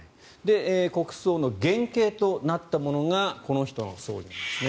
国葬の原型となったものがこの人の葬儀です。